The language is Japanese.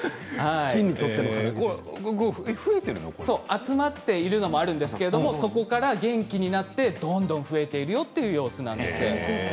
集まってるのもあるんですがそこから元気になってどんどん増えているよという様子なんです。